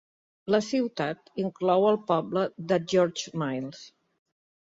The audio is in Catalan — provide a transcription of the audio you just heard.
La ciutat inclou el poble de Georges Mills.